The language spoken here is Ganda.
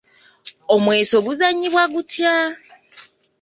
Omweso guzannyibwa gutya?